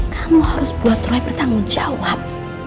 kamu harus buat roy bertanggung jawab